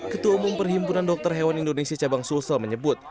ketua umum perhimpunan dokter hewan indonesia cabang sulsel menyebut